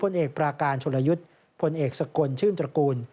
ผลเอกปราการชลยุทธ์พลเอกสกลชื่นตระกูล